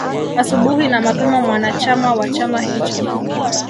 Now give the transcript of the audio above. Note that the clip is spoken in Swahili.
Asubuhi na mapema mwanachama wa chama hicho